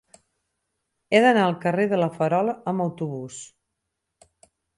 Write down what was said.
He d'anar al carrer de La Farola amb autobús.